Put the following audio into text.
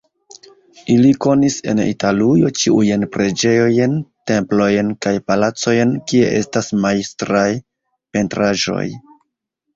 Ili konis en Italujo ĉiujn preĝejojn, templojn kaj palacojn, kie estas majstraj pentraĵoj.